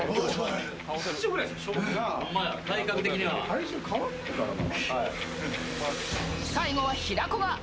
体重変わんねぇからな。